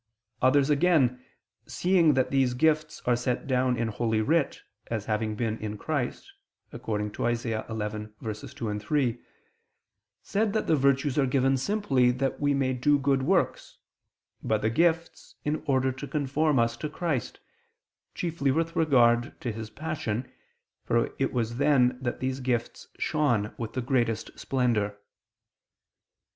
Others again, seeing that these gifts are set down in Holy Writ as having been in Christ, according to Isa. 11:2, 3, said that the virtues are given simply that we may do good works, but the gifts, in order to conform us to Christ, chiefly with regard to His Passion, for it was then that these gifts shone with the greatest splendor.